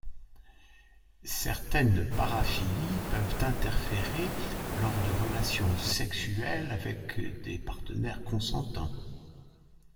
Certaines paraphilies peuvent interférer lors de relations sexuelles avec des partenaires consentants.